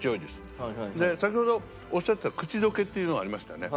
先ほどおっしゃってた口溶けっていうのありましたね。